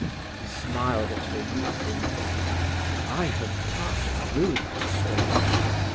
He smiled at her youthfulness. "I have passed through that stage.